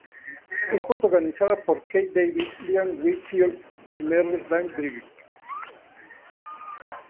Es protagonizada por Keith David, Lynn Whitfield, y Merle Dandridge.